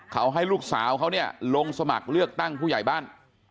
เขาให้ลูกสาวเขาเนี่ยลงสมัครเลือกตั้งผู้ใหญ่บ้าน